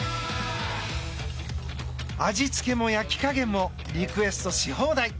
味付けも焼き加減もリクエストし放題。